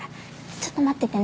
ちょっと待っててね。